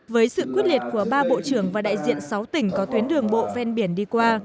với sự quyết liệt của ba bộ trưởng và đại diện sáu tỉnh có tuyến đường bộ ven biển đi qua